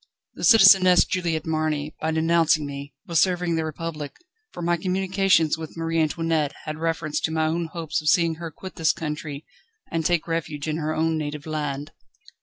The Citizeness Juliette Marny, by denouncing me, was serving the Republic, for my communications with Marie Antoinette had reference to my own hopes of seeing her quit this country and take refuge in her own native land."